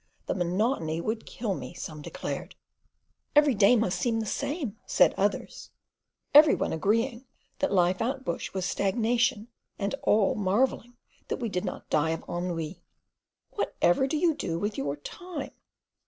"The monotony would kill me," some declared. "Every day must seem the same," said others: every one agreeing that life out bush was stagnation, and all marvelling that we did not die of ennui. "Whatever do you do with your time?"